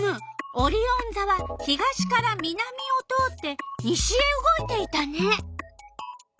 オリオンざは東から南を通って西へ動いていたね。